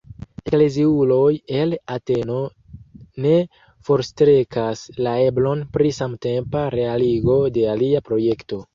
Ekleziuloj el Ateno ne forstrekas la eblon pri samtempa realigo de alia projekto.